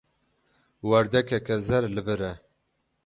Werdekeke zer li vir e.